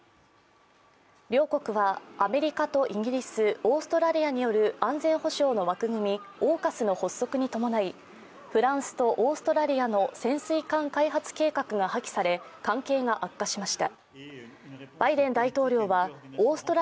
両国はアメリカとイギリス、オーストラリアによる安全保障の枠組み、ＡＵＫＵＳの発足に伴いフランスとオーストラリアによる安全保障の枠組みが潜水艦開発計画が破棄され関係が悪化しました。